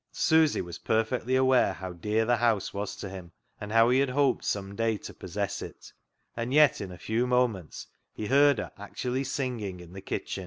Susy was perfectly aware how dear the house was to him, and how he had hoped some day to possess it, and yet in a few moments he heard her actually singing in the kitchen.